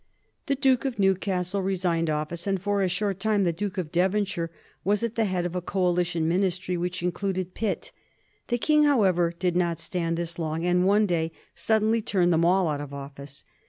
The Duke of Newcastle resigned of&ce, and for a short time the Duke of Devonshire was at the head of a coali tion Ministry which included Pitt. The King, however, did not stand this long, and one day suddenly turned them all out of office.